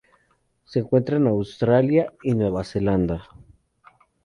Se encuentra en Australia y Nueva Zelanda.